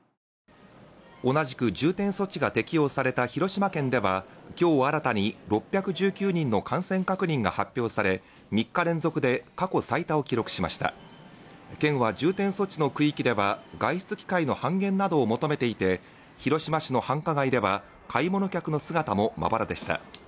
同じく重点措置が適用された広島県では今日新たに６１９人の感染確認が発表され３日連続で過去最多を記録しました県は重点措置の区域では外出機会の半減などを求めていて広島市の繁華街では買い物客の姿もまばらでした。